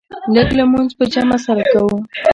لږ لمونځ په جمع سره کوه.